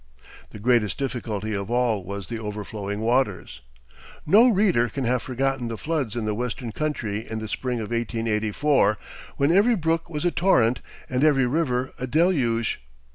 The greatest difficulty of all was the overflowing waters. No reader can have forgotten the floods in the western country in the spring of 1884, when every brook was a torrent and every river a deluge.